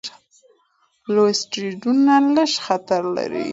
لوی اسټروېډونه لږ خطر لري.